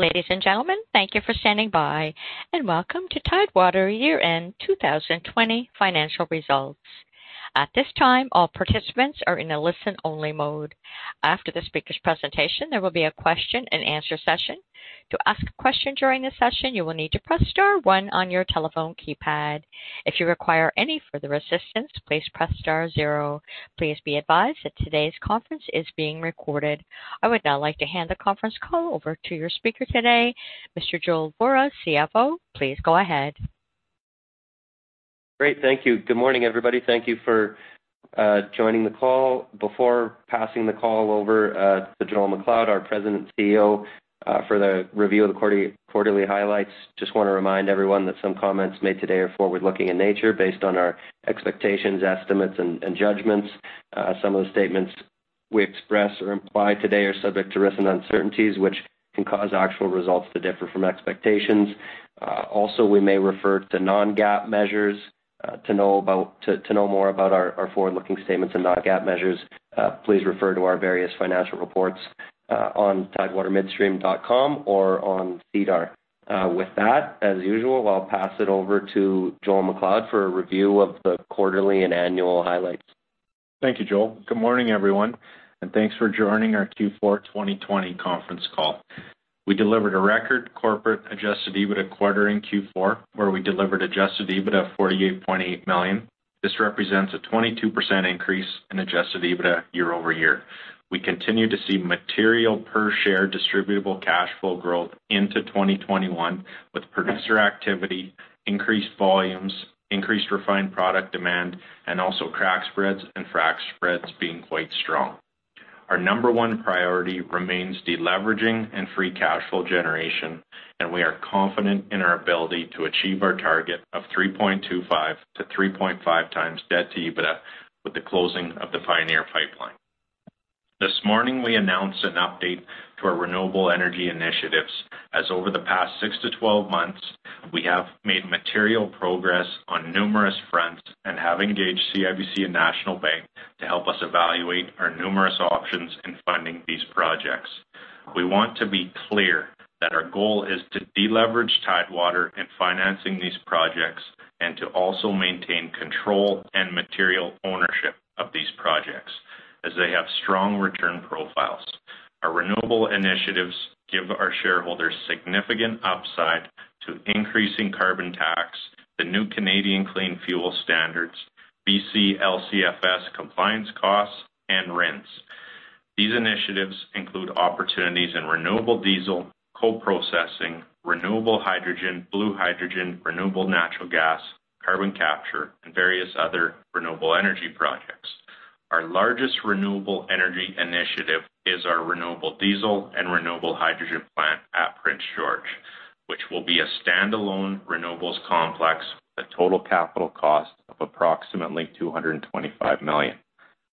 Ladies and gentlemen, thank you for standing by, and welcome to Tidewater Year-End 2020 Financial Results. At this time all participants are in listen-only mode. After the speakers' presentation there will be a question-and-answer session. To ask a question during the session you will need to press star one on your telephone keypad. If you require any further assistance please press star zero. Please be advised that today's call is being recorded. I would now like to hand the conference call over to your speaker today, Mr. Joel Vorra, CFO. Please go ahead. Great. Thank you. Good morning, everybody. Thank you for joining the call. Before passing the call over to Joel MacLeod, our President and CEO, for the review of the quarterly highlights, just want to remind everyone that some comments made today are forward-looking in nature based on our expectations, estimates, and judgments. Some of the statements we express or imply today are subject to risks and uncertainties, which can cause actual results to differ from expectations. Also, we may refer to non-GAAP measures. To know more about our forward-looking statements and non-GAAP measures, please refer to our various financial reports on tidewatermidstream.com or on SEDAR. With that, as usual, I'll pass it over to Joel MacLeod for a review of the quarterly and annual highlights. Thank you, Joel. Good morning, everyone, and thanks for joining our Q4 2020 conference call. We delivered a record corporate adjusted EBITDA quarter in Q4, where we delivered adjusted EBITDA of 48.8 million. This represents a 22% increase in adjusted EBITDA year-over-year. We continue to see material per share distributable cash flow growth into 2021 with producer activity, increased volumes, increased refined product demand, and also crack spreads and frac spreads being quite strong. Our number one priority remains de-leveraging and free cash flow generation, and we are confident in our ability to achieve our target of 3.25x-3.5x debt to EBITDA with the closing of the Pioneer Pipeline. This morning, we announced an update to our renewable energy initiatives, as over the past six to 12 months, we have made material progress on numerous fronts and have engaged CIBC and National Bank to help us evaluate our numerous options in funding these projects. We want to be clear that our goal is to de-leverage Tidewater in financing these projects and to also maintain control and material ownership of these projects as they have strong return profiles. Our renewable initiatives give our shareholders significant upside to increasing carbon tax, the new Canadian Clean Fuel Standard, BCLCFS compliance costs, and rents. These initiatives include opportunities in renewable diesel, co-processing, renewable hydrogen, blue hydrogen, renewable natural gas, carbon capture, and various other renewable energy projects. Our largest renewable energy initiative is our renewable diesel and renewable hydrogen plant at Prince George, which will be a standalone renewables complex with a total capital cost of approximately 225 million.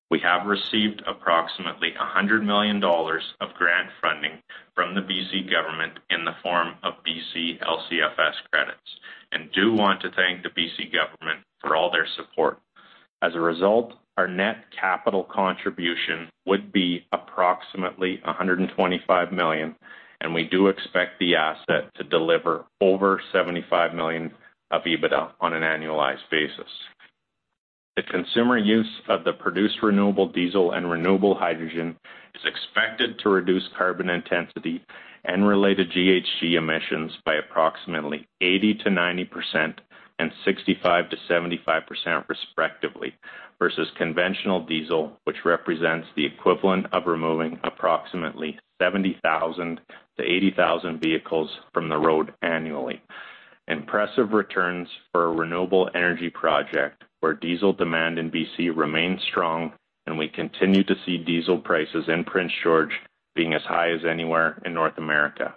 We have received approximately 100 million dollars of grant funding from the B.C. government in the form of BCLCFS credits and do want to thank the B.C. government for all their support. As a result, our net capital contribution would be approximately 125 million, and we do expect the asset to deliver over 75 million of EBITDA on an annualized basis. The consumer use of the produced renewable diesel and renewable hydrogen is expected to reduce carbon intensity and related GHG emissions by approximately 80%-90% and 65%-75%, respectively, versus conventional diesel, which represents the equivalent of removing approximately 70,000-80,000 vehicles from the road annually. Impressive returns for a renewable energy project where diesel demand in BC remains strong and we continue to see diesel prices in Prince George being as high as anywhere in North America.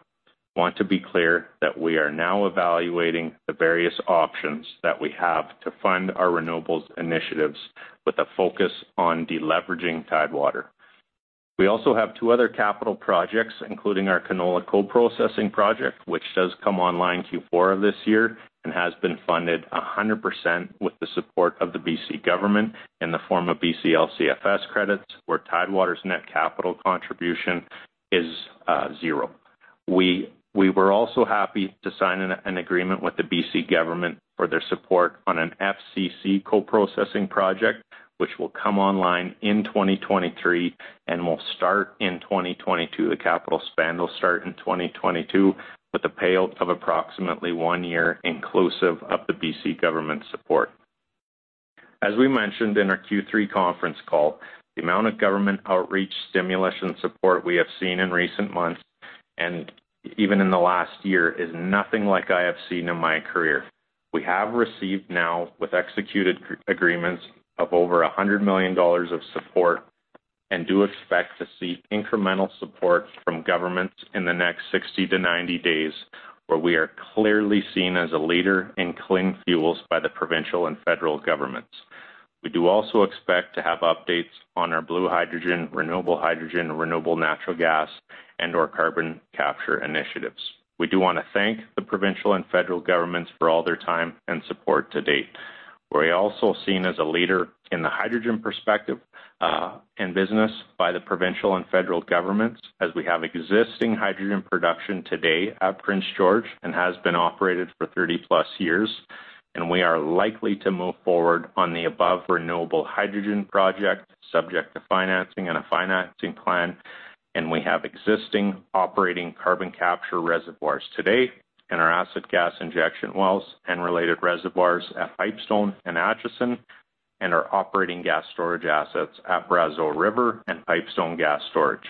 Want to be clear that we are now evaluating the various options that we have to fund our renewables initiatives with a focus on de-leveraging Tidewater. We also have two other capital projects, including our canola co-processing project, which does come online in Q4 of this year and has been funded 100% with the support of the BC government in the form of BCLCFS credits, where Tidewater's net capital contribution is zero. We were also happy to sign an agreement with the BC government for their support on an FCC co-processing project, which will come online in 2023 and will start in 2022. The capital spend will start in 2022 with a payout of approximately one year inclusive of the B.C. government support. As we mentioned in our Q3 conference call, the amount of government outreach, stimulus, and support we have seen in recent months and even in the last year is nothing like I have seen in my career. We have received now with executed agreements of over 100 million dollars of support and do expect to see incremental support from governments in the next 60 days-90 days, where we are clearly seen as a leader in clean fuels by the provincial and federal governments. We do also expect to have updates on our blue hydrogen, renewable hydrogen, renewable natural gas, and/or carbon capture initiatives. We do want to thank the provincial and federal governments for all their time and support to date. We're also seen as a leader in the hydrogen perspective, in business by the provincial and federal governments, as we have existing hydrogen production today at Prince George, and has been operated for 30+ years. We are likely to move forward on the above renewable hydrogen project, subject to financing and a financing plan, and we have existing operating carbon capture reservoirs today, and our acid gas injection wells and related reservoirs at Pipestone and Acheson, and our operating gas storage assets at Brazeau River and Pipestone Gas Storage.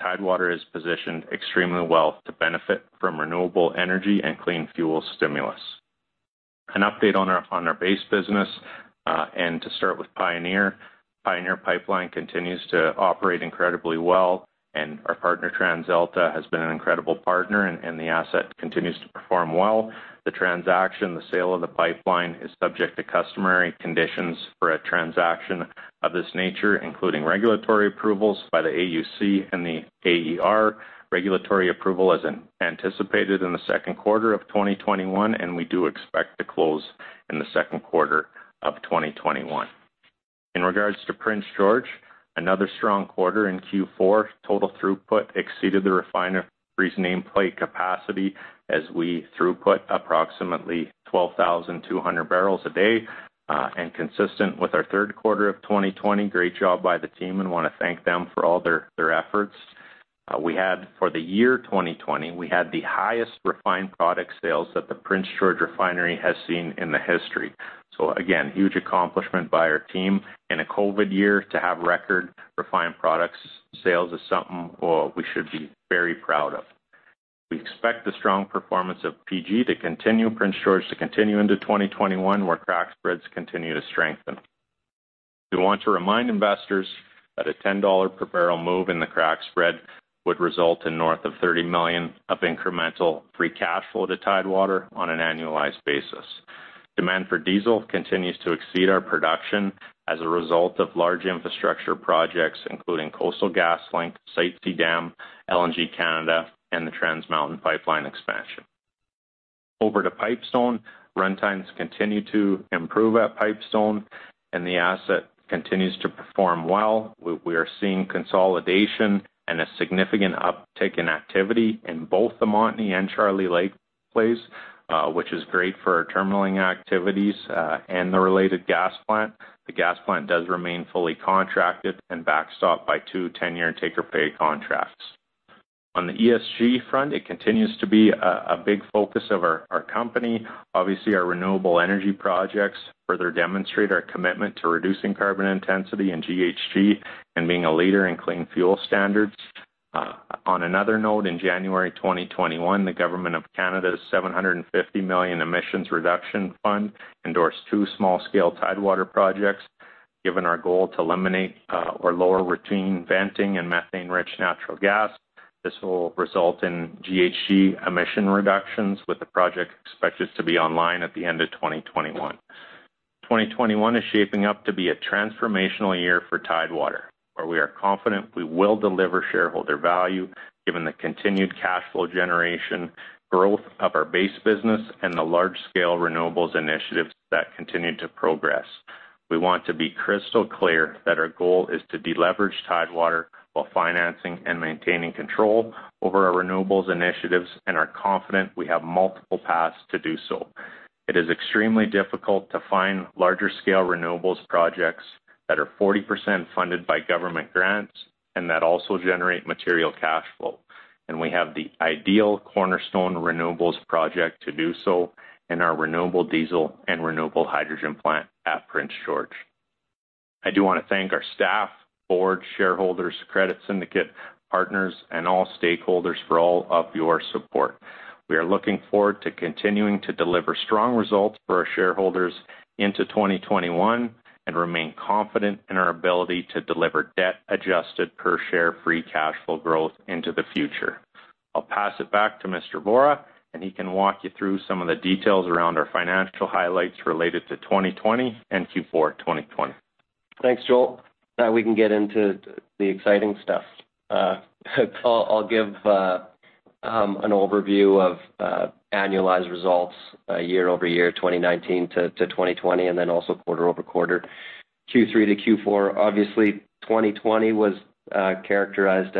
Tidewater is positioned extremely well to benefit from renewable energy and clean fuel stimulus. An update on our base business, and to start with Pioneer. Pioneer Pipeline continues to operate incredibly well, and our partner, TransAlta, has been an incredible partner and the asset continues to perform well. The transaction, the sale of the pipeline is subject to customary conditions for a transaction of this nature, including regulatory approvals by the AUC and the AER. Regulatory approval is anticipated in the second quarter of 2021, and we do expect to close in the second quarter of 2021. In regards to Prince George, another strong quarter in Q4. Total throughput exceeded the refinery's nameplate capacity as we throughput approximately 12,200 bbl a day, and consistent with our third quarter of 2020. Great job by the team and want to thank them for all their efforts. We had for the year 2020, we had the highest refined product sales that the Prince George Refinery has seen in the history. Again, huge accomplishment by our team. In a COVID year, to have record refined products sales is something, well, we should be very proud of. We expect the strong performance of PG to continue, Prince George to continue into 2021, where crack spreads continue to strengthen. We want to remind investors that a 10 dollar per barrel move in the crack spread would result in north of 30 million of incremental free cash flow to Tidewater on an annualized basis. Demand for diesel continues to exceed our production as a result of large infrastructure projects, including Coastal GasLink, Site C Dam, LNG Canada, and the Trans Mountain Pipeline expansion. Over to Pipestone. Runtimes continue to improve at Pipestone, and the asset continues to perform well. We are seeing consolidation and a significant uptick in activity in both the Montney and Charlie Lake plays, which is great for our terminalling activities and the related gas plant. The gas plant does remain fully contracted and backstop by two tenure and take-or-pay contracts. On the ESG front, it continues to be a big focus of our company. Obviously, our renewable energy projects further demonstrate our commitment to reducing carbon intensity and GHG and being a leader in clean fuel standards. On another note, in January 2021, the government of Canada's 750 million Emissions Reduction Fund endorsed two small-scale Tidewater projects. Given our goal to eliminate or lower routine venting and methane-rich natural gas, this will result in GHG emission reductions, with the project expected to be online at the end of 2021. 2021 is shaping up to be a transformational year for Tidewater, where we are confident we will deliver shareholder value, given the continued cash flow generation, growth of our base business, and the large-scale renewables initiatives that continue to progress. We want to be crystal clear that our goal is to deleverage Tidewater while financing and maintaining control over our renewables initiatives and are confident we have multiple paths to do so. It is extremely difficult to find larger-scale renewables projects that are 40% funded by government grants and that also generate material cash flow. We have the ideal cornerstone renewables project to do so in our renewable diesel and renewable hydrogen plant at Prince George. I do want to thank our staff, board, shareholders, credit syndicate partners, and all stakeholders for all of your support. We are looking forward to continuing to deliver strong results for our shareholders into 2021 and remain confident in our ability to deliver debt-adjusted per share free cash flow growth into the future. I'll pass it back to Mr. Vorra. He can walk you through some of the details around our financial highlights related to 2020 and Q4 2020. Thanks, Joel. Now we can get into the exciting stuff. I'll give an overview of annualized results year-over-year, 2019 to 2020, and quarter-over-quarter, Q3 to Q4. Obviously, 2020 was characterized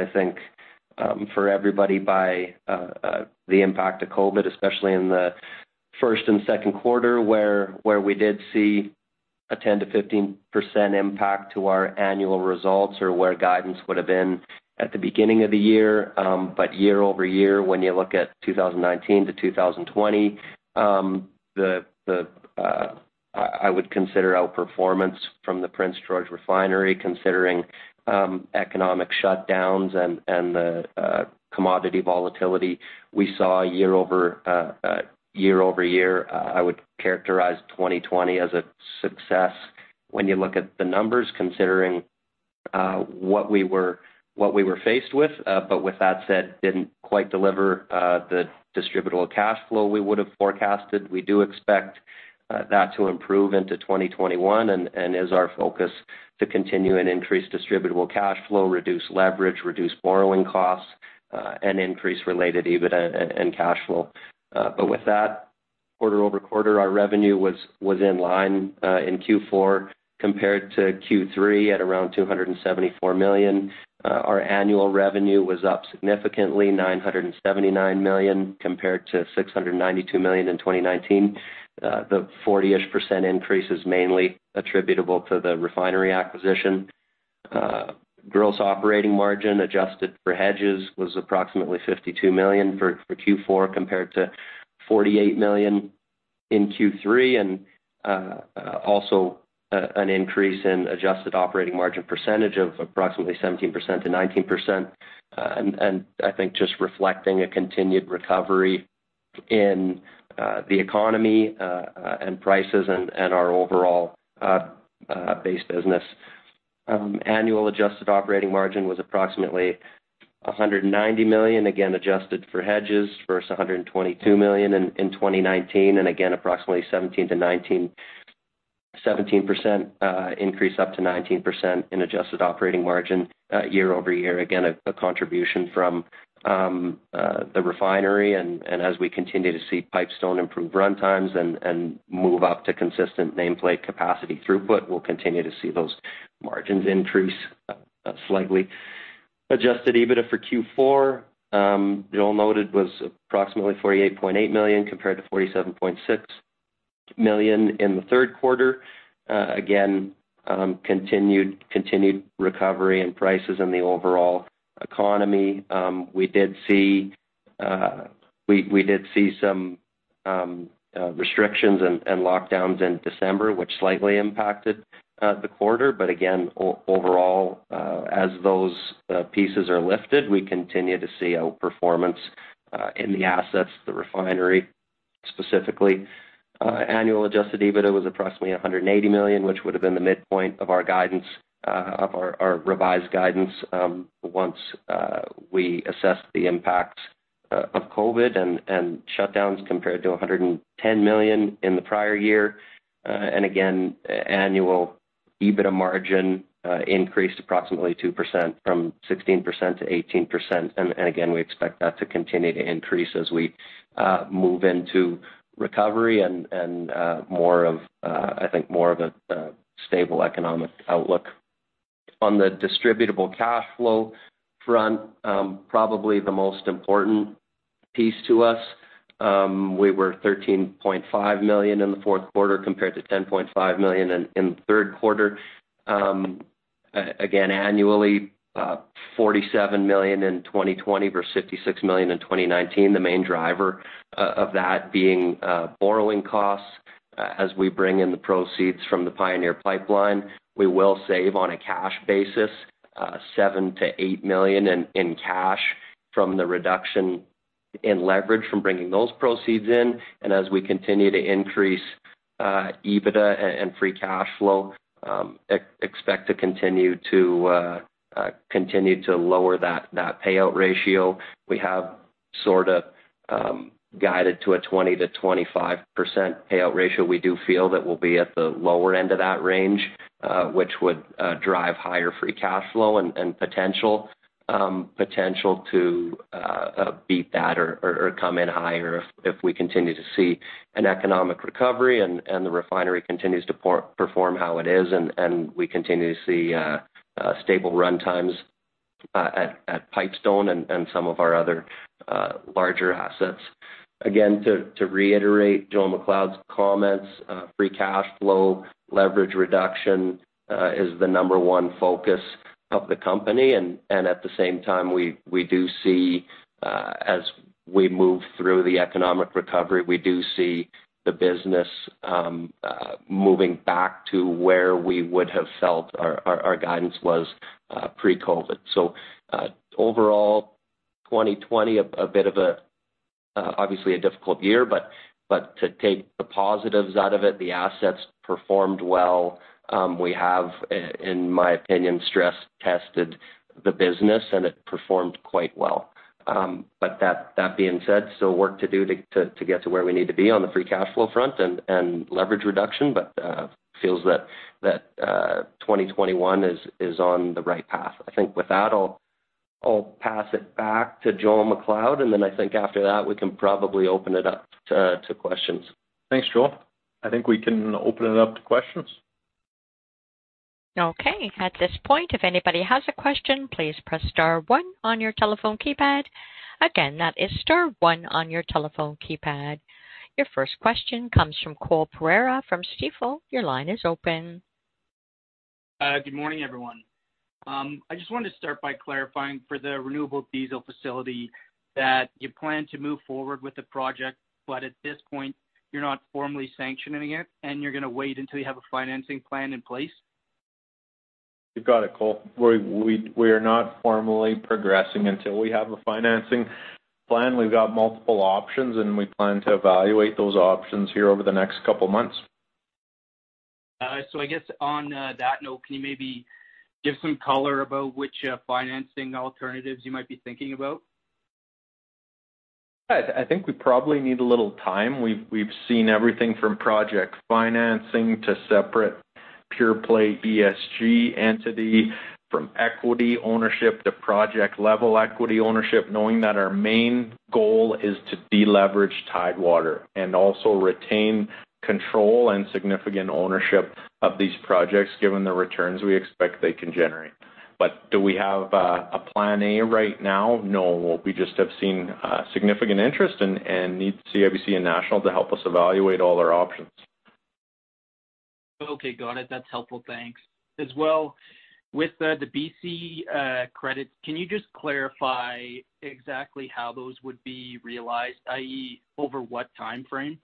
for everybody by the impact of COVID, especially in the first and second quarter, where we did see a 10%-15% impact to our annual results or where guidance would have been at the beginning of the year. Year-over-year, when you look at 2019 to 2020, I would consider outperformance from the Prince George Refinery, considering economic shutdowns and commodity volatility. We saw year-over-year, I would characterize 2020 as a success when you look at the numbers, considering what we were faced with. With that said, didn't quite deliver the distributable cash flow we would have forecasted. We do expect that to improve into 2021 and is our focus to continue and increase distributable cash flow, reduce leverage, reduce borrowing costs and increase related EBITDA and cash flow. With that, quarter-over-quarter, our revenue was in line in Q4 compared to Q3 at around 274 million. Our annual revenue was up significantly, 979 million compared to 692 million in 2019. The 40% increase is mainly attributable to the refinery acquisition. Gross operating margin, adjusted for hedges, was approximately 52 million for Q4 compared to 48 million in Q3, and also an increase in adjusted operating margin percentage of approximately 17%-19%. I think just reflecting a continued recovery in the economy and prices and our overall base business. Annual adjusted operating margin was approximately 190 million, again, adjusted for hedges versus 122 million in 2019. Again, approximately 17% increase up to 19% in adjusted operating margin year-over-year. Again, a contribution from the refinery. As we continue to see Pipestone improve runtimes and move up to consistent nameplate capacity throughput, we'll continue to see those margins increase slightly. Adjusted EBITDA for Q4, Joel noted, was approximately 48.8 million compared to 47.6 million in the third quarter. Again, continued recovery in prices in the overall economy. We did see some restrictions and lockdowns in December, which slightly impacted the quarter. Again, overall, as those pieces are lifted, we continue to see outperformance in the assets, the refinery specifically. Annual adjusted EBITDA was approximately 180 million, which would've been the midpoint of our revised guidance once we assessed the impact of COVID and shutdowns compared to 110 million in the prior year. Annual EBITDA margin increased approximately 2% from 16%-18%. We expect that to continue to increase as we move into recovery and I think more of a stable economic outlook. On the distributable cash flow front, probably the most important piece to us, we were 13.5 million in the fourth quarter compared to 10.5 million in the third quarter. Annually, 47 million in 2020 versus 56 million in 2019. The main driver of that being borrowing costs. As we bring in the proceeds from the Pioneer Pipeline, we will save on a cash basis 7 million-8 million in cash from the reduction in leverage from bringing those proceeds in. As we continue to increase EBITDA and free cash flow, expect to continue to lower that payout ratio. We have sort of guided to a 20%-25% payout ratio. We do feel that we'll be at the lower end of that range, which would drive higher free cash flow and potential to beat that or come in higher if we continue to see an economic recovery and the refinery continues to perform how it is and we continue to see stable runtimes at Pipestone and some of our other larger assets. Again, to reiterate Joel MacLeod's comments, free cash flow leverage reduction is the number one focus of the company. At the same time, as we move through the economic recovery, we do see the business moving back to where we would have felt our guidance was pre-COVID. Overall, 2020, obviously a difficult year, but to take the positives out of it, the assets performed well. We have, in my opinion, stress tested the business, and it performed quite well. That being said, still work to do to get to where we need to be on the free cash flow front and leverage reduction. Feels that 2021 is on the right path. I think with that, I'll pass it back to Joel MacLeod, and then I think after that, we can probably open it up to questions. Thanks, Joel. I think we can open it up to questions. Okay. At this point, if anybody has a question, please press star one on your telephone keypad. Again, that is star one on your telephone keypad. Your first question comes from Cole Pereira from Stifel. Your line is open. Good morning, everyone. I just wanted to start by clarifying for the renewable diesel facility that you plan to move forward with the project, but at this point, you're not formally sanctioning it, and you're going to wait until you have a financing plan in place? You've got it, Cole. We are not formally progressing until we have a financing plan. We've got multiple options, and we plan to evaluate those options here over the next couple of months. I guess on that note, can you maybe give some color about which financing alternatives you might be thinking about? I think we probably need a little time. We've seen everything from project financing to separate pure-play ESG entity, from equity ownership to project-level equity ownership, knowing that our main goal is to deleverage Tidewater and also retain control and significant ownership of these projects, given the returns we expect they can generate. Do we have a plan A right now? No. We just have seen significant interest and need CIBC and National to help us evaluate all our options. Okay, got it. That's helpful. Thanks. As well, with the BC credits, can you just clarify exactly how those would be realized, i.e., over what timeframe?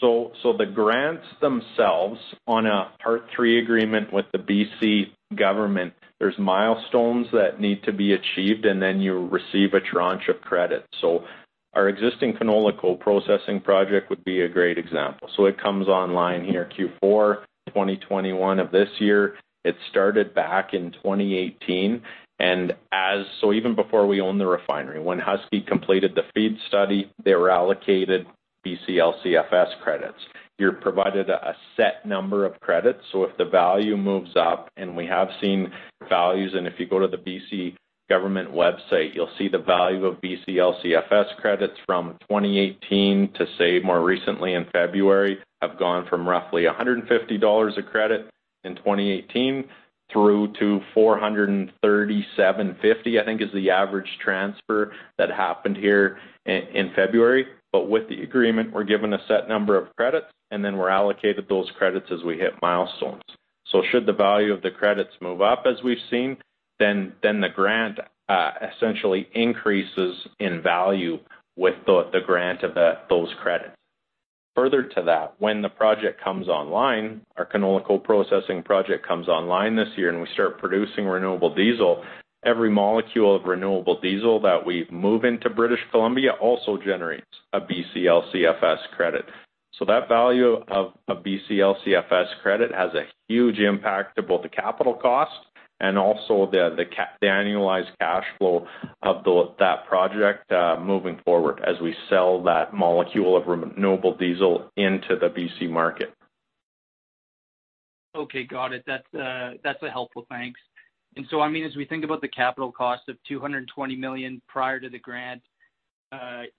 The grants themselves, on a part three agreement with the B.C. government, there's milestones that need to be achieved, and then you receive a tranche of credit. Our existing canola coprocessing project would be a great example. It comes online here Q4 2021 of this year. It started back in 2018. Even before we owned the refinery, when Husky completed the FEED study, they were allocated BCLCFS credits. You're provided a set number of credits, so if the value moves up, and we have seen values, and if you go to the B.C. government website, you'll see the value of BCLCFS credits from 2018 to, say, more recently in February, have gone from roughly 150 dollars a credit in 2018 through to 437.50, I think is the average transfer that happened here in February. With the agreement, we're given a set number of credits, and then we're allocated those credits as we hit milestones. Should the value of the credits move up as we've seen, then the grant essentially increases in value with the grant of those credits. Further to that, when the project comes online, our canola coprocessing project comes online this year, and we start producing renewable diesel, every molecule of renewable diesel that we move into British Columbia also generates a BCLCFS credit. That value of a BCLCFS credit has a huge impact to both the capital cost and also the annualized cash flow of that project moving forward as we sell that molecule of renewable diesel into the BC market. Okay, got it. That's helpful. Thanks. As we think about the capital cost of 220 million prior to the grant,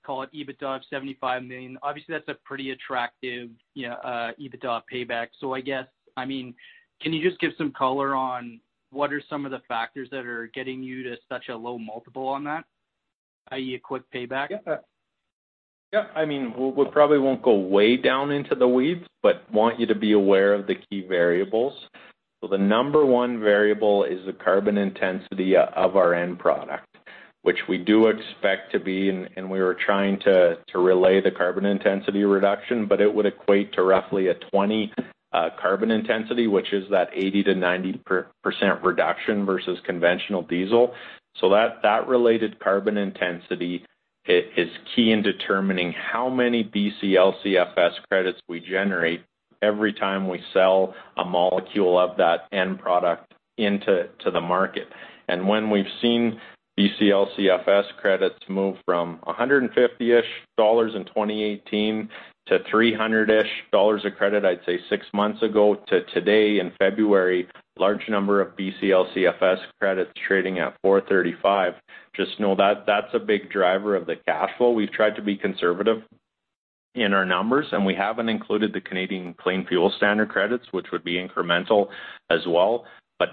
call it EBITDA of 75 million, obviously that's a pretty attractive EBITDA payback. Can you just give some color on what are some of the factors that are getting you to such a low multiple on that, i.e., a quick payback? Yeah. We probably won't go way down into the weeds, but want you to be aware of the key variables. The number one variable is the carbon intensity of our end product, which we do expect to be, and we were trying to relay the carbon intensity reduction, but it would equate to roughly a 20 carbon intensity, which is that 80%-90% reduction versus conventional diesel. That related carbon intensity is key in determining how many BCLCFS credits we generate every time we sell a molecule of that end product into the market. When we've seen BCLCFS credits move from 150-ish dollars in 2018 to 300-ish dollars a credit, I'd say six months ago, to today in February, large number of BCLCFS credits trading at 435. Just know that's a big driver of the cash flow. We've tried to be conservative in our numbers. We haven't included the Canadian Clean Fuel Standard credits, which would be incremental as well.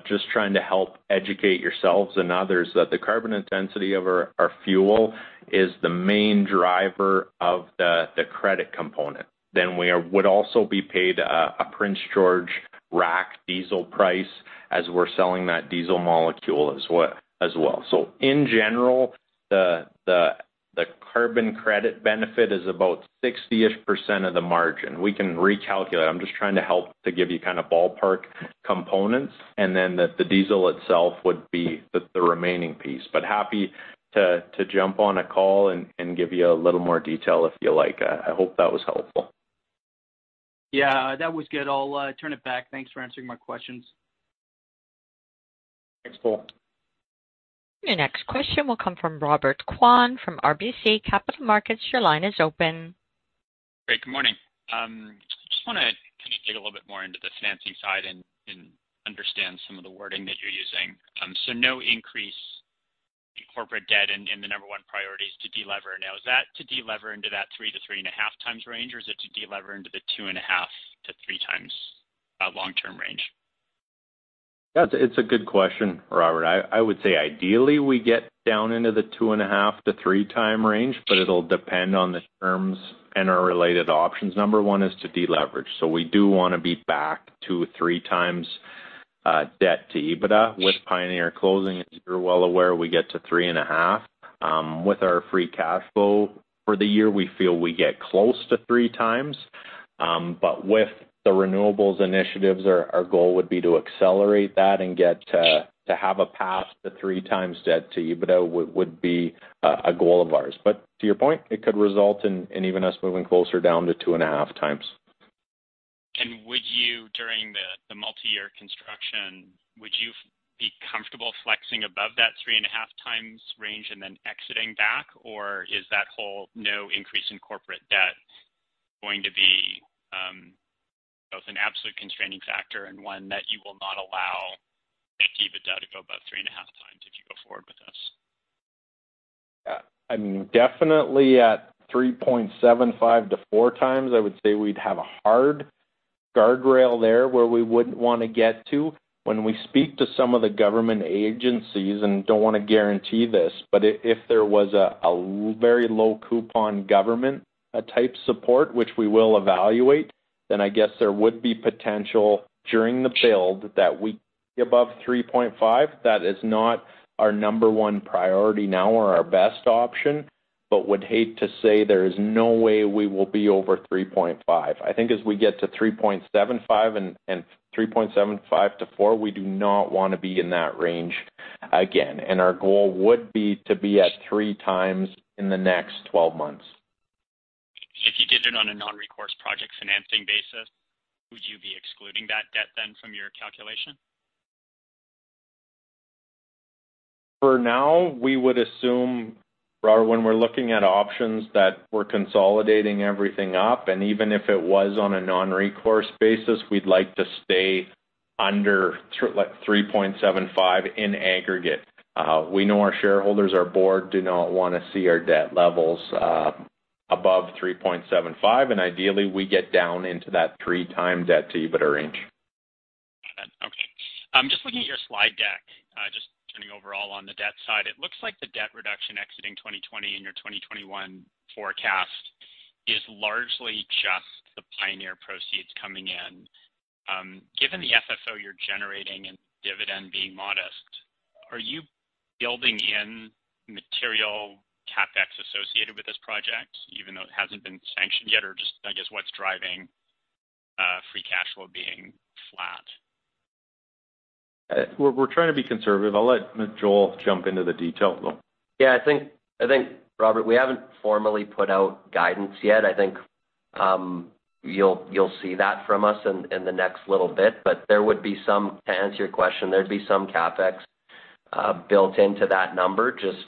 Just trying to help educate yourselves and others that the carbon intensity of our fuel is the main driver of the credit component. We would also be paid a Prince George rack diesel price as we're selling that diesel molecule as well. In general, the carbon credit benefit is about 60-ish% of the margin. We can recalculate. I'm just trying to help to give you kind of ballpark components. The diesel itself would be the remaining piece. Happy to jump on a call and give you a little more detail if you like. I hope that was helpful. Yeah, that was good. I'll turn it back. Thanks for answering my questions. Thanks, Cole. Your next question will come from Robert Kwan from RBC Capital Markets. Your line is open. Great. Good morning. Just want to kind of dig a little bit more into the financing side and understand some of the wording that you're using. No increase in corporate debt, and the number one priority is to delever. Now, is that to delever into that 3x-3.5x range, or is it to delever into the 2.5x-3x long-term range? Yeah, it's a good question, Robert. I would say ideally, we get down into the two and a half to three-time range, but it'll depend on the terms and our related options. Number one is to deleverage. We do want to be back to 3x debt to EBITDA. With Pioneer closing, as you're well aware, we get to three and a half. With our free cash flow for the year, we feel we get close to 3x. With the renewables initiatives, our goal would be to accelerate that and get to have a path to 3x debt to EBITDA would be a goal of ours. To your point, it could result in even us moving closer down to 2.5x. Construction, would you be comfortable flexing above that 3.5x range and then exiting back? Is that whole no increase in corporate debt going to be both an absolute constraining factor and one that you will not allow the EBITDA to go above 3.5x if you go forward with this? Yeah. Definitely at 3.75x-4x, I would say we'd have a hard guardrail there where we wouldn't want to get to. When we speak to some of the government agencies, and don't want to guarantee this, but if there was a very low coupon government type support, which we will evaluate, then I guess there would be potential during the build that we above 3.5. That is not our number one priority now or our best option, but would hate to say there is no way we will be over 3.5. I think as we get to 3.75 and 3.75x-4x, we do not want to be in that range again. Our goal would be to be at 3x in the next 12 months. If you did it on a non-recourse project financing basis, would you be excluding that debt then from your calculation? For now, we would assume, Robert, when we're looking at options that we're consolidating everything up, and even if it was on a non-recourse basis, we'd like to stay under 3.75 in aggregate. We know our shareholders, our board do not want to see our debt levels above 3.75. Ideally, we get down into that 3-time debt-to-EBITDA range. Got it. Okay. Just looking at your slide deck, just turning overall on the debt side, it looks like the debt reduction exiting 2020 in your 2021 forecast is largely just the Pioneer proceeds coming in. Given the FFO you're generating and dividend being modest, are you building in material CapEx associated with this project even though it hasn't been sanctioned yet? Just, I guess, what's driving free cash flow being flat? We're trying to be conservative. I'll let Joel jump into the detail, though. Yeah, I think, Robert Kwan, we haven't formally put out guidance yet. I think you'll see that from us in the next little bit. To answer your question, there'd be some CapEx built into that number just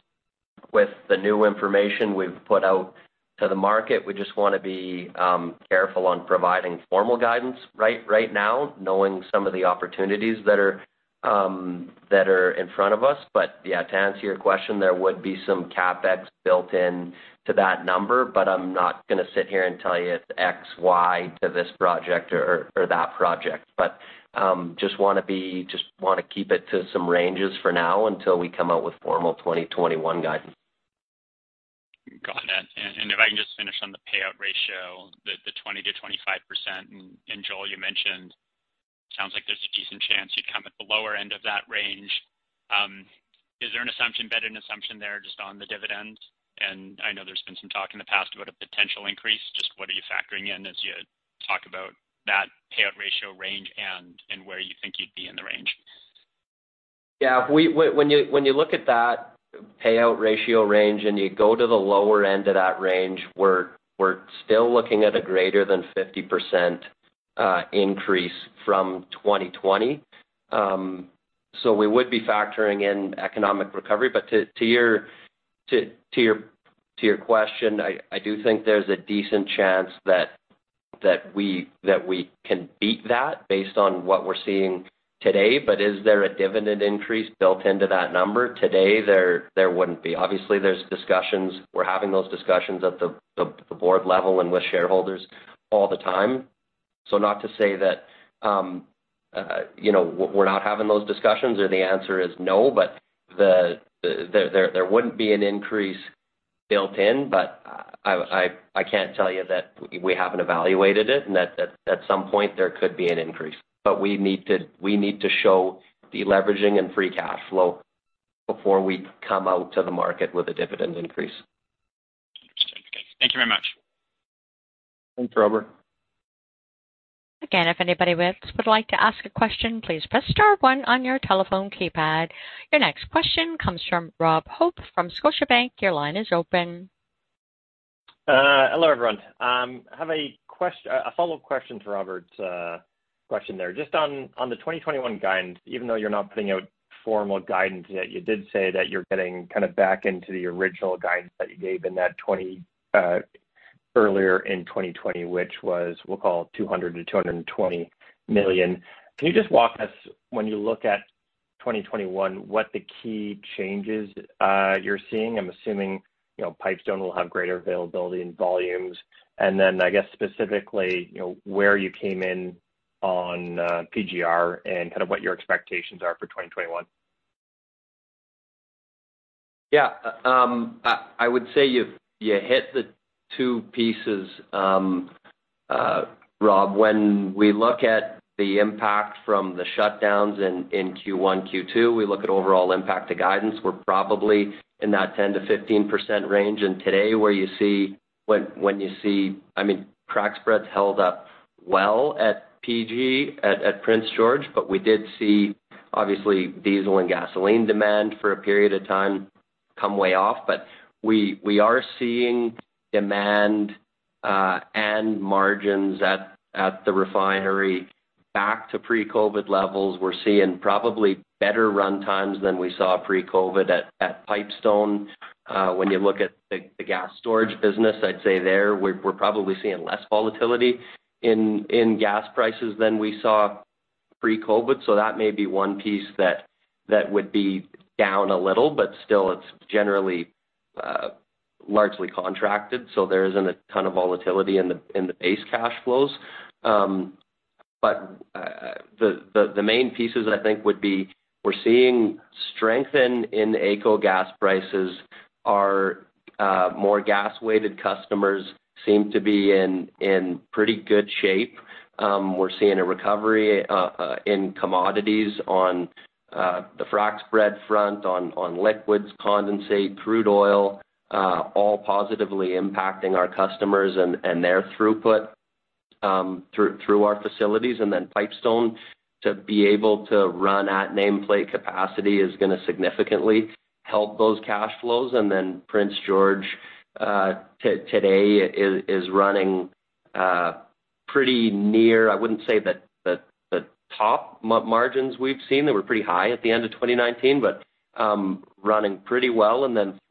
with the new information we've put out to the market. We just want to be careful on providing formal guidance right now, knowing some of the opportunities that are in front of us. Yeah, to answer your question, there would be some CapEx built into that number, but I'm not going to sit here and tell you it's X, Y to this project or that project. Just want to keep it to some ranges for now until we come out with formal 2021 guidance. Got that. If I can just finish on the payout ratio, the 20%-25%. Joel, you mentioned, sounds like there's a decent chance you'd come at the lower end of that range. Is there an assumption, better than assumption there just on the dividends? I know there's been some talk in the past about a potential increase. Just what are you factoring in as you talk about that payout ratio range and where you think you'd be in the range? Yeah. When you look at that payout ratio range and you go to the lower end of that range, we're still looking at a greater than 50% increase from 2020. We would be factoring in economic recovery. To your question, I do think there's a decent chance that we can beat that based on what we're seeing today. Is there a dividend increase built into that number? Today, there wouldn't be. Obviously, there's discussions. We're having those discussions at the board level and with shareholders all the time. Not to say that we're not having those discussions or the answer is no, but there wouldn't be an increase built in, but I can't tell you that we haven't evaluated it and that at some point there could be an increase. We need to show de-leveraging and free cash flow before we come out to the market with a dividend increase. Understood. Okay. Thank you very much. Thanks, Robert. Again, if anybody would like to ask a question, please press star one on your telephone keypad. Your next question comes from Rob Hope from Scotiabank. Your line is open. Hello, everyone. I have a follow-up question to Robert's question there. Just on the 2021 guidance, even though you're not putting out formal guidance yet, you did say that you're getting kind of back into the original guidance that you gave earlier in 2020, which was, we'll call it 200 million-220 million. Can you just walk us when you look at 2021, what the key changes you're seeing? I'm assuming Pipestone will have greater availability and volumes. I guess specifically, where you came in on PGR and kind of what your expectations are for 2021. I would say you hit the two pieces, Rob. When we look at the impact from the shutdowns in Q1, Q2, we look at overall impact to guidance. We're probably in that 10%-15% range. Today when crack spreads held up well at PG, at Prince George, but we did see, obviously, diesel and gasoline demand for a period of time come way off. We are seeing demand and margins at the refinery back to pre-COVID levels. We're seeing probably better run times than we saw pre-COVID at Pipestone. When you look at the gas storage business, I'd say there, we're probably seeing less volatility in gas prices than we saw pre-COVID. That may be one piece that would be down a little, but still it's generally largely contracted, there isn't a ton of volatility in the base cash flows. The main pieces I think would be we're seeing strength in AECO gas prices. Our more gas-weighted customers seem to be in pretty good shape. We're seeing a recovery in commodities on the frac spread front, on liquids, condensate, crude oil, all positively impacting our customers and their throughput through our facilities. Pipestone, to be able to run at nameplate capacity is going to significantly help those cash flows. Prince George, today, is running pretty near, I wouldn't say the top margins we've seen. They were pretty high at the end of 2019, but running pretty well.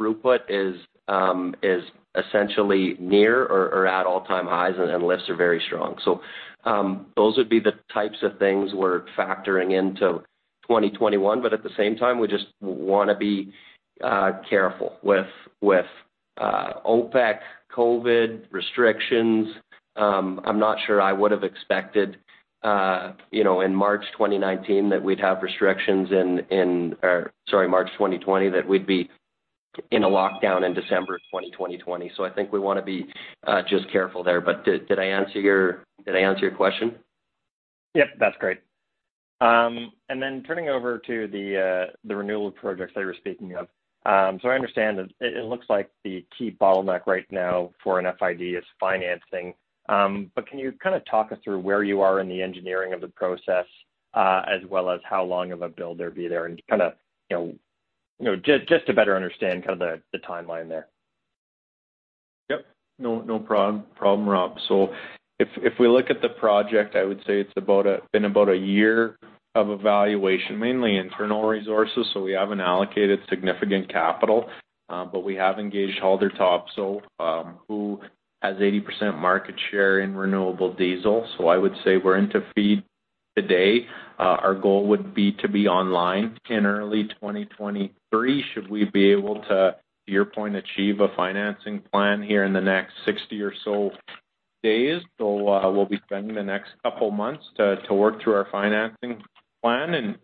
Throughput is essentially near or at all-time highs, and lifts are very strong. Those would be the types of things we're factoring into 2021. At the same time, we just want to be careful with OPEC, COVID restrictions. I'm not sure I would have expected in March 2019 that we'd have restrictions in sorry, March 2020, that we'd be in a lockdown in December 2020. I think we want to be just careful there. Did I answer your question? Yep. That's great. Turning over to the renewable projects that you were speaking of. I understand that it looks like the key bottleneck right now for an FID is financing. Can you kind of talk us through where you are in the engineering of the process, as well as how long of a build there'd be there and just to better understand the timeline there? Yep. No problem, Rob. If we look at the project, I would say it's been about a year of evaluation, mainly internal resources, so we haven't allocated significant capital. But we have engaged Haldor Topsøe, who has 80% market share in renewable diesel. I would say we're into FEED today. Our goal would be to be online in early 2023, should we be able to, your point, achieve a financing plan here in the next 60 or so days. We'll be spending the next couple of months to work through our financing plan.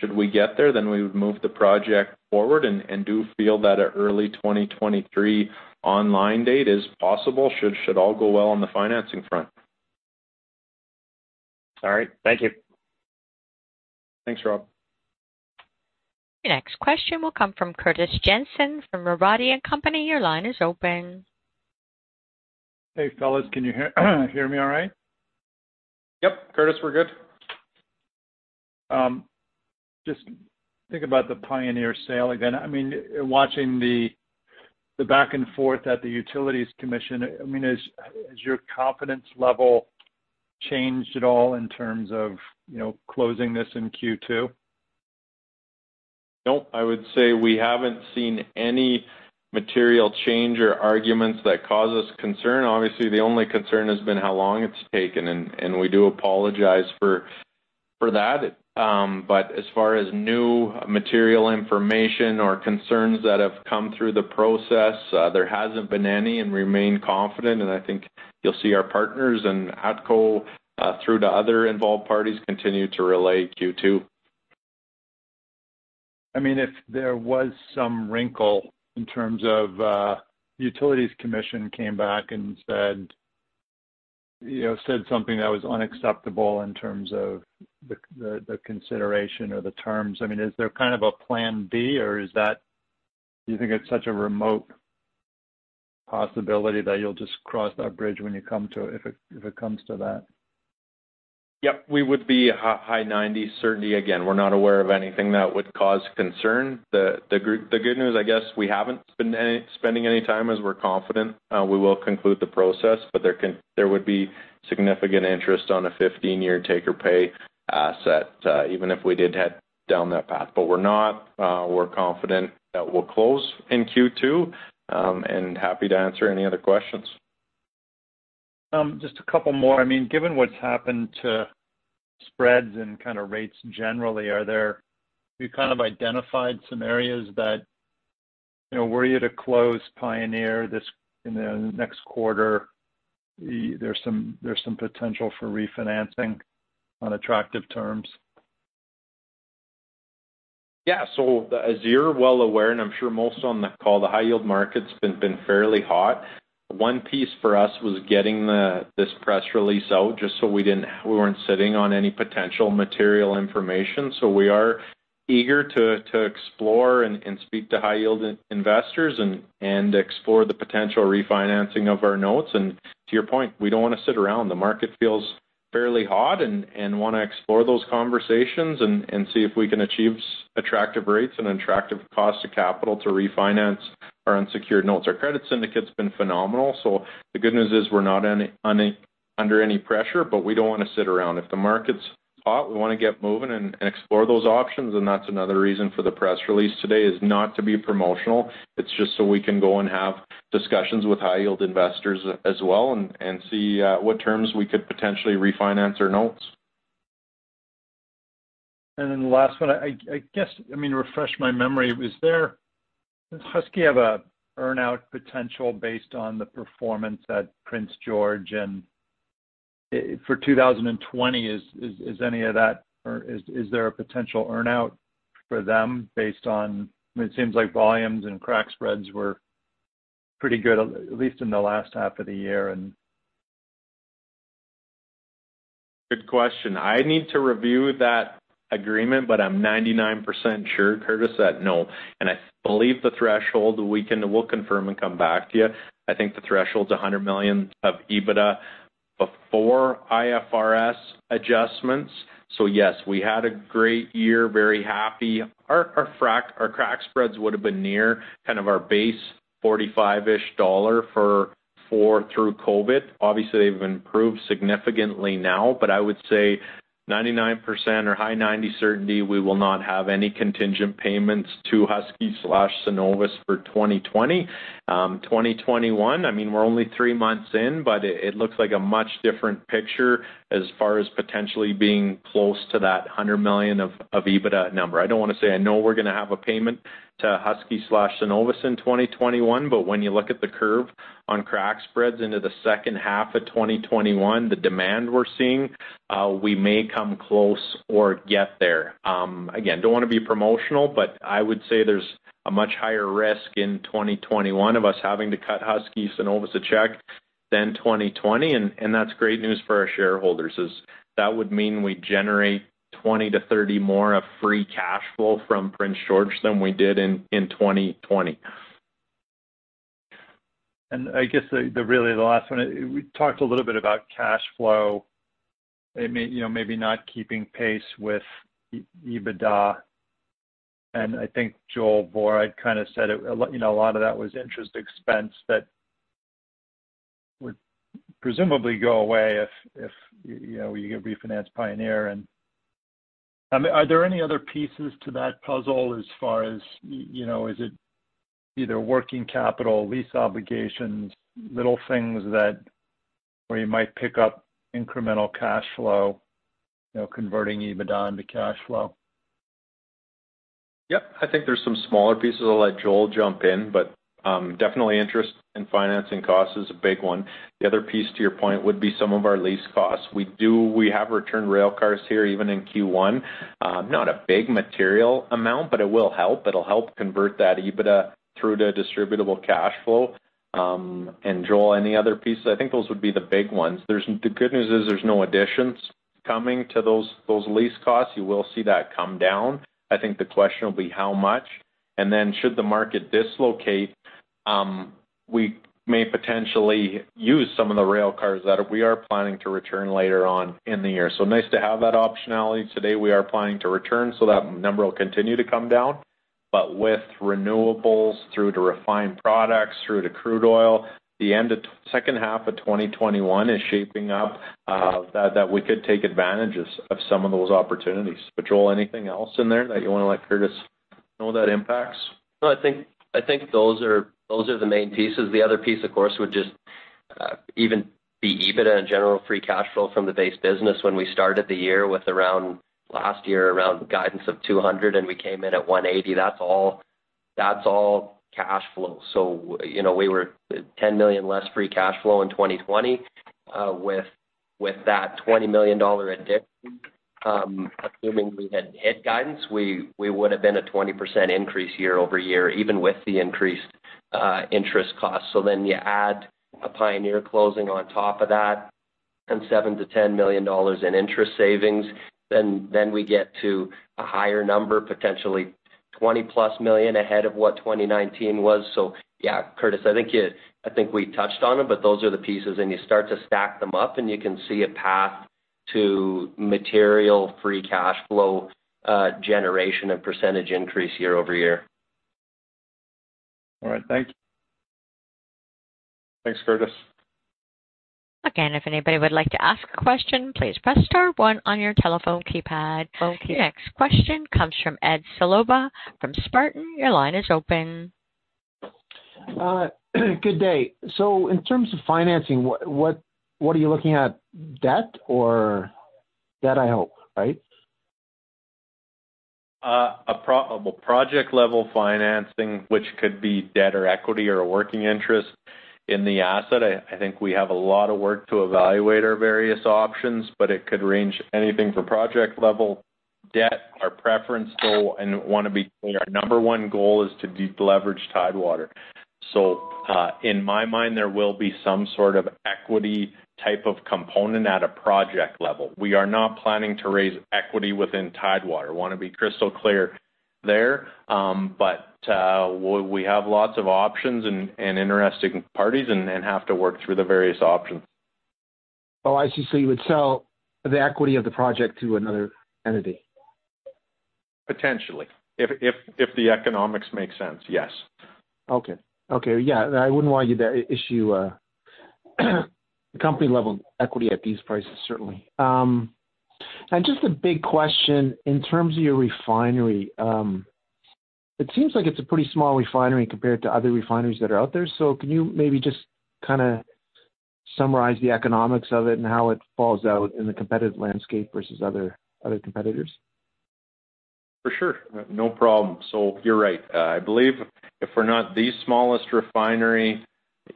Should we get there, then we would move the project forward and do feel that an early 2023 online date is possible, should all go well on the financing front. All right. Thank you. Thanks, Rob. Your next question will come from Curtis Jensen from Robotti & Company. Your line is open. Hey, fellas, can you hear me all right? Yep. Curtis, we're good. Just think about the Pioneer sale again. Watching the back and forth at the Utilities Commission, has your confidence level changed at all in terms of closing this in Q2? No, I would say we haven't seen any material change or arguments that cause us concern. Obviously, the only concern has been how long it's taken, and we do apologize for that. As far as new material information or concerns that have come through the process, there hasn't been any and remain confident, and I think you'll see our partners and ATCO, through to other involved parties, continue to relay Q2. If there was some wrinkle in terms of Utilities Commission came back and said something that was unacceptable in terms of the consideration or the terms, is there kind of a plan B, or do you think it's such a remote possibility that you'll just cross that bridge when you come to it if it comes to that? Yep. We would be high 90 certainty. We're not aware of anything that would cause concern. The good news, I guess, we haven't been spending any time as we're confident we will conclude the process, there would be significant interest on a 15-year take-or-pay asset, even if we did head down that path. We're not. We're confident that we'll close in Q2, happy to answer any other questions. Just a couple more. Given what's happened to spreads and kind of rates generally, have you kind of identified some areas that were you to close Pioneer in the next quarter, there's some potential for refinancing on attractive terms? Yeah, as you're well aware, and I'm sure most on the call, the high-yield market's been fairly hot. One piece for us was getting this press release out just so we weren't sitting on any potential material information. We are eager to explore and speak to high-yield investors and explore the potential refinancing of our notes. To your point, we don't want to sit around. Fairly hot and want to explore those conversations and see if we can achieve attractive rates and attractive cost of capital to refinance our unsecured notes. Our credit syndicate's been phenomenal, so the good news is we're not under any pressure, but we don't want to sit around. If the market's hot, we want to get moving and explore those options, and that's another reason for the press release today is not to be promotional. It's just so we can go and have discussions with high-yield investors as well and see what terms we could potentially refinance our notes. The last one. Refresh my memory. Does Husky have an earn-out potential based on the performance at Prince George? For 2020, is there a potential earn-out for them? It seems like volumes and crack spreads were pretty good, at least in the last half of the year. I need to review that agreement, I'm 99% sure, Curtis, that no. I believe the threshold, we'll confirm and come back to you. I think the threshold's 100 million of EBITDA before IFRS adjustments. Yes, we had a great year. Very happy. Our crack spreads would've been near kind of our base, $45-ish for through COVID. Obviously, they've improved significantly now, but I would say 99% or high 90% certainty, we will not have any contingent payments to Husky/Cenovus for 2020. 2021, we're only three months in, but it looks like a much different picture as far as potentially being close to that 100 million of EBITDA number. I don't want to say I know we're going to have a payment to Husky/Cenovus in 2021, but when you look at the curve on crack spreads into the second half of 2021, the demand we're seeing, we may come close or get there. Again, don't want to be promotional, but I would say there's a much higher risk in 2021 of us having to cut Husky/Cenovus a check than 2020, and that's great news for our shareholders. That would mean we generate 20-30 more of free cash flow from Prince George than we did in 2020. I guess, really the last one. We talked a little bit about cash flow, maybe not keeping pace with EBITDA, and I think Joel Vorra kind of said it, a lot of that was interest expense that would presumably go away if you refinance Pioneer. Are there any other pieces to that puzzle as far as, is it either working capital, lease obligations, little things where you might pick up incremental cash flow, converting EBITDA into cash flow? Yep. I think there's some smaller pieces. I'll let Joel jump in, but definitely interest in financing cost is a big one. The other piece to your point would be some of our lease costs. We have returned railcars here, even in Q1. Not a big material amount, but it will help. It'll help convert that EBITDA through to distributable cash flow. Joel, any other pieces? I think those would be the big ones. The good news is there's no additions coming to those lease costs. You will see that come down. I think the question will be how much. Should the market dislocate, we may potentially use some of the railcars that we are planning to return later on in the year. Nice to have that optionality. Today, we are planning to return so that number will continue to come down. With renewables through to refined products, through to crude oil, the end of second half of 2021 is shaping up that we could take advantage of some of those opportunities. Joel, anything else in there that you want to let Curtis know that impacts? No, I think those are the main pieces. The other piece, of course, would just even be EBITDA and general free cash flow from the base business when we started the year with last year around guidance of 200 million and we came in at 180 million. That's all cash flow. We were 10 million less free cash flow in 2020. With that 20 million dollar addition, assuming we had hit guidance, we would've been a 20% increase year-over-year, even with the increased interest cost. You add a Pioneer closing on top of that and 7 million-10 million dollars in interest savings, we get to a higher number, potentially 20+ million ahead of what 2019 was. Yeah, Curtis, I think we touched on them, but those are the pieces, and you start to stack them up and you can see a path to material free cash flow generation and percentage increase year-over-year. All right. Thank you. Thanks, Curtis. Again, if anybody would like to ask a question, please press star one on your telephone keypad. Okay. The next question comes from Ed Sollbach from Spartan. Your line is open. Good day. In terms of financing, what are you looking at? Debt? Debt, I hope, right? Well, project-level financing, which could be debt or equity or a working interest in the asset. I think we have a lot of work to evaluate our various options. It could range anything from project-level debt, our preference though, and want to be clear, our number one goal is to deleverage Tidewater. In my mind, there will be some sort of equity type of component at a project level. We are not planning to raise equity within Tidewater. I want to be crystal clear there. We have lots of options and interesting parties and have to work through the various options. Oh, I see. You would sell the equity of the project to another entity? Potentially. If the economics make sense, yes. Okay. Yeah. I wouldn't want you to issue a company-level equity at these prices, certainly. Just a big question, in terms of your refinery, it seems like it's a pretty small refinery compared to other refineries that are out there. Can you maybe just kind of summarize the economics of it and how it falls out in the competitive landscape versus other competitors? For sure. No problem. You're right. I believe if we're not the smallest refinery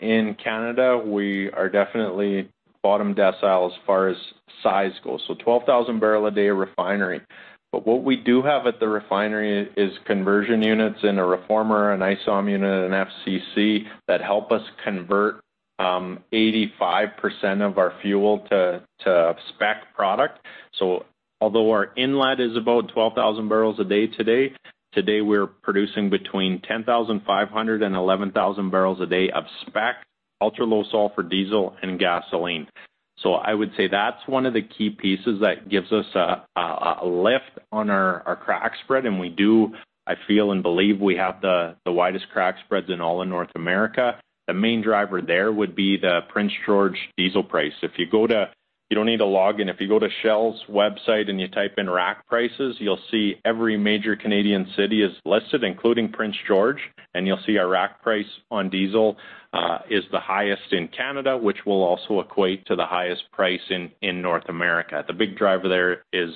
in Canada, we are definitely bottom decile as far as size goes. 12,000 bbl a day refinery. What we do have at the refinery is conversion units and a reformer, an ISOM unit, an FCC that help us convert 85% of our fuel to spec product. Although our inlet is about 12,000 bbl a day today we're producing between 10,500 and 11,000 bbl a day of spec ultra-low sulfur diesel and gasoline. I would say that's one of the key pieces that gives us a lift on our crack spread. We do, I feel and believe, we have the widest crack spreads in all of North America. The main driver there would be the Prince George diesel price. If you go to Shell's website and you type in rack prices, you'll see every major Canadian city is listed, including Prince George, and you'll see our rack price on diesel is the highest in Canada, which will also equate to the highest price in North America. The big driver there is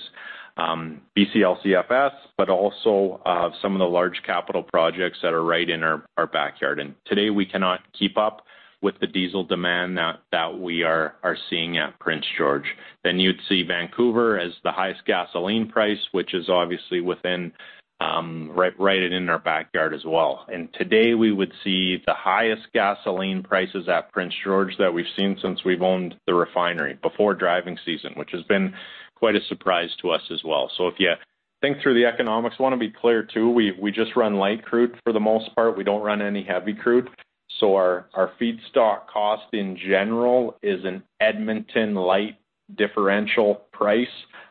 BCLCFS, but also some of the large capital projects that are right in our backyard. Today, we cannot keep up with the diesel demand that we are seeing at Prince George. You'd see Vancouver as the highest gasoline price, which is obviously right in our backyard as well. Today, we would see the highest gasoline prices at Prince George that we've seen since we've owned the refinery, before driving season, which has been quite a surprise to us as well. If you think through the economics, I want to be clear too, we just run light crude for the most part. We don't run any heavy crude. Our feedstock cost, in general, is an Edmonton Light differential price,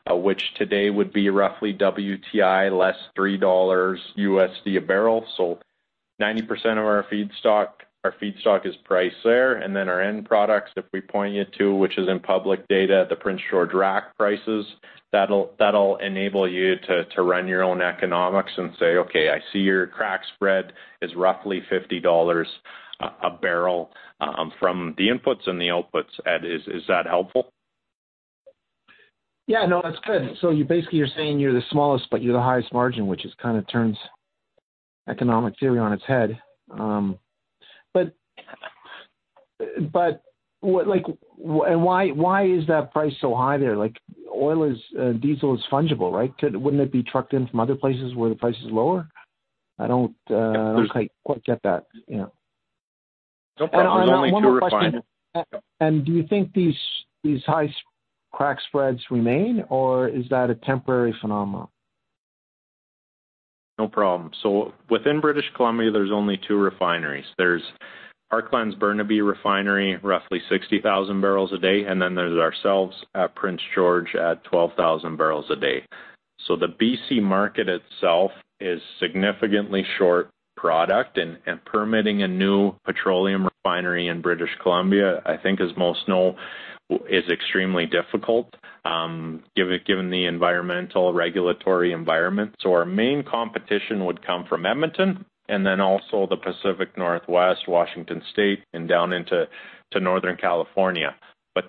which today would be roughly WTI less $3 USD a barrel. 90% of our feedstock is priced there. Our end products, if we point you to, which is in public data, the Prince George rack prices, that'll enable you to run your own economics and say, Okay, I see your crack spread is roughly 50 dollars a barrel from the inputs and the outputs. Ed, is that helpful? Yeah, no, that's good. Basically, you're saying you're the smallest, but you're the highest margin, which just kind of turns economic theory on its head. Why is that price so high there? Diesel is fungible, right? Wouldn't it be trucked in from other places where the price is lower? I don't quite get that. No problem. There's only two refiners. One more question. Do you think these high crack spreads remain, or is that a temporary phenomenon? No problem. Within British Columbia, there are only two refineries. There's Parkland's Burnaby Refinery, roughly 60,000 bbl a day, and then there's ourselves at Prince George at 12,000 bbl a day. The BC market itself is significantly short product. Permitting a new petroleum refinery in British Columbia, I think as most know, is extremely difficult given the environmental regulatory environment. Our main competition would come from Edmonton and then also the Pacific Northwest, Washington State, and down into Northern California.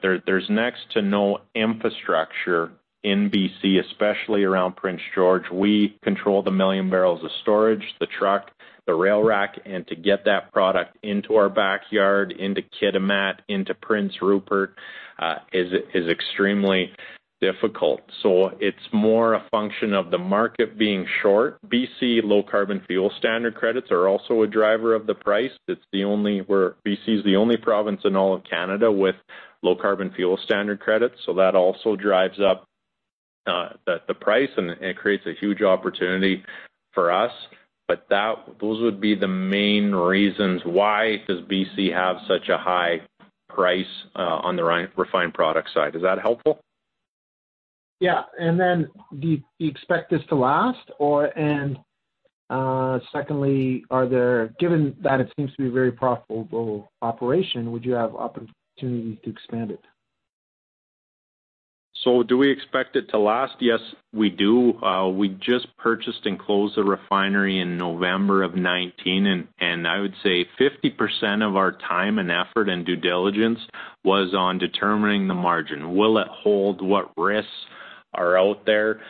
There's next to no infrastructure in BC, especially around Prince George. We control the 1,000,000 bbl of storage, the truck, the rail rack, and to get that product into our backyard, into Kitimat, into Prince Rupert, is extremely difficult. It's more a function of the market being short. BC Low Carbon Fuel Standard credits are also a driver of the price. BC is the only province in all of Canada with BC Low Carbon Fuel Standard credits, so that also drives up the price, and it creates a huge opportunity for us. Those would be the main reasons why does BC have such a high price on the refined product side. Is that helpful? Yeah. Then do you expect this to last? Secondly, given that it seems to be a very profitable operation, would you have opportunities to expand it? Do we expect it to last? Yes, we do. We just purchased and closed the refinery in November of 2019. I would say 50% of our time and effort and due diligence was on determining the margin. Will it hold? What risks are out there?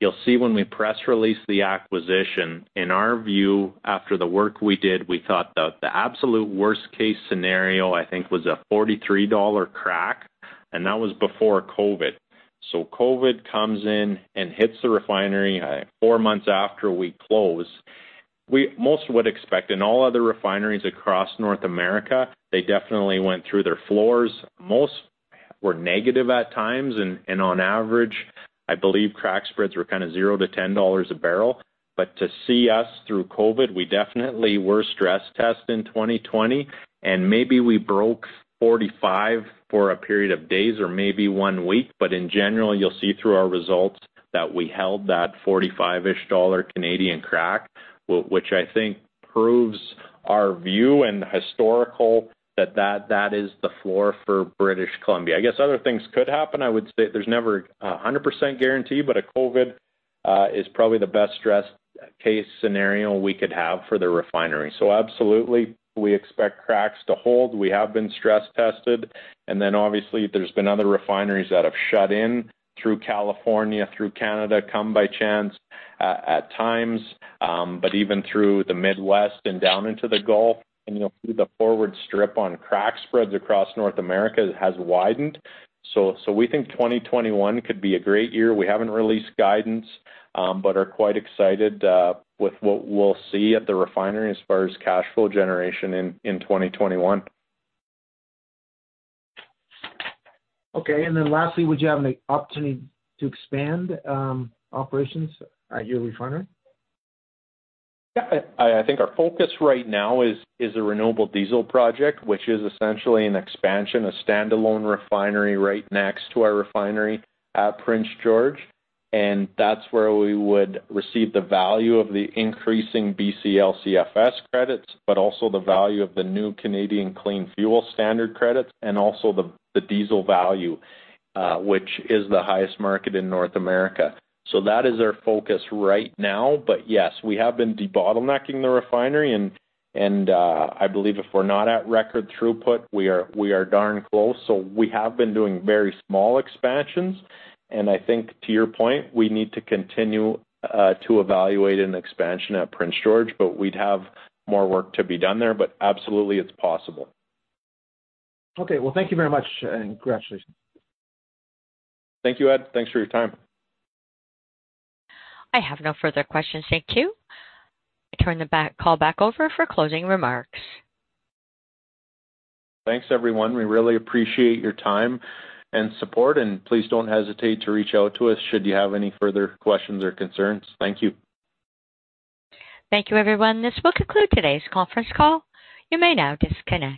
You'll see when we press release the acquisition, in our view, after the work we did, we thought that the absolute worst-case scenario, I think, was a 43 dollar crack, and that was before COVID. COVID comes in and hits the refinery four months after we close. Most would expect in all other refineries across North America, they definitely went through their floors. Most were negative at times. On average, I believe crack spreads were zero to 10 dollars a barrel. To see us through COVID, we definitely were stress-tested in 2020, and maybe we broke 45 for a period of days or maybe one week. In general, you'll see through our results that we held that 45-ish dollar crack, which I think proves our view and historical that that is the floor for British Columbia. I guess other things could happen. I would say there's never 100% guarantee, but COVID is probably the best-stress case scenario we could have for the refinery. Absolutely, we expect cracks to hold. We have been stress-tested, and obviously there's been other refineries that have shut in through California, through Canada, Come By Chance at times. Even through the Midwest and down into the Gulf, and through the forward strip on crack spreads across North America has widened. We think 2021 could be a great year. We haven't released guidance, but are quite excited with what we'll see at the refinery as far as cash flow generation in 2021. Okay. Lastly, would you have an opportunity to expand operations at your refinery? I think our focus right now is a renewable diesel project, which is essentially an expansion, a standalone refinery right next to our refinery at Prince George. That's where we would receive the value of the increasing BCLCFS credits, but also the value of the new Canadian Clean Fuel Standard credits and also the diesel value, which is the highest market in North America. That is our focus right now. Yes, we have been debottlenecking the refinery and I believe if we're not at record throughput, we are darn close. We have been doing very small expansions, and I think to your point, we need to continue to evaluate an expansion at Prince George, but we'd have more work to be done there. Absolutely, it's possible. Okay. Well, thank you very much, and congratulations. Thank you, Ed. Thanks for your time. I have no further questions. Thank you. I turn the call back over for closing remarks. Thanks, everyone. We really appreciate your time and support. Please don't hesitate to reach out to us should you have any further questions or concerns. Thank you. Thank you, everyone. This will conclude today's conference call. You may now disconnect.